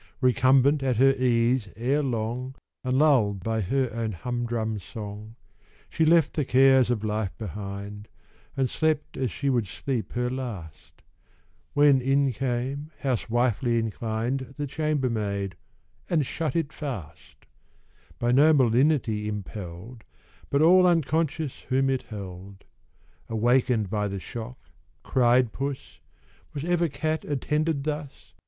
Recumbent at her ease, ere long, And lull'd by her own humdrum song, She left the cares of life behind, And slept as she would sleep her last, When in came, housewifely inclined, The chambermaid, and shut it fast; By no malignity impell'd, But all unconscious whom it held. Awaken'd by the shock (cried Puss) "Was ever cat attended thus?